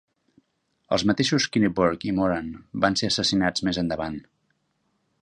Els mateixos Kinniburgh i Moran van ser assassinats més endavant.